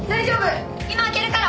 今開けるから！